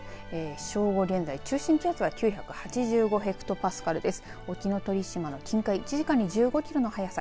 正午現在、中心気圧は９８５ヘクトパスカルです。